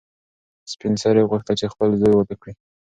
سپین سرې غوښتل چې خپل زوی واده کړي.